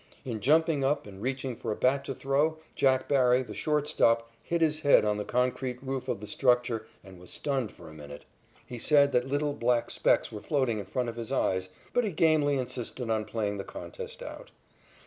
In jumping up and reaching for a bat to throw, Jack Barry, the shortstop, hit his head on the concrete roof of the structure and was stunned for a minute. He said that little black specks were floating in front of his eyes, but he gamely insisted on playing the contest out.